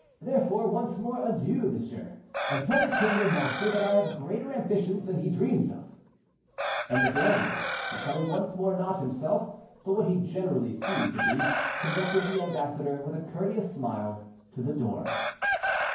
Therefore, once more adieu, monsieur, and tell the king your master that I have greater ambitions than he dreams of." And the Béarnais, becoming once more, not himself, but what he generally seemed to be, conducted the ambassador, with a courteous smile, to the door.